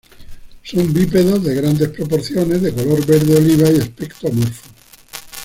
Son bípedos de grandes proporciones, de color verde oliva y aspecto amorfo.